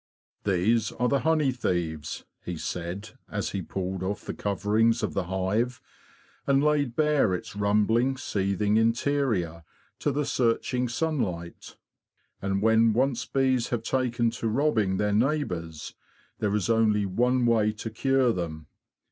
'These are the honey thieves,'"' he said, as he pulled off the coverings of the hive and laid bare its rumbling, seething interior to the searching sun light, '' and when once bees have taken to robbing their neighbours there is only one way to cure them.